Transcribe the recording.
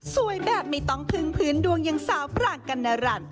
สวยแบบไม่ต้องพึนดวงยังเศร้าปรากฏรรณ